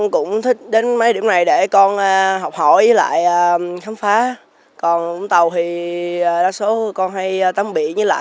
của thành phố vũng tàu